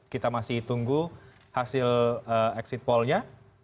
kita masih tunggu hasil exit pollnya